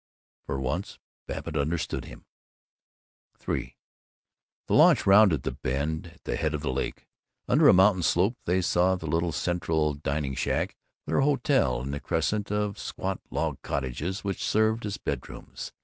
For once, Babbitt understood him. III Their launch rounded the bend; at the head of the lake, under a mountain slope, they saw the little central dining shack of their hotel and the crescent of squat log cottages which served as bedrooms.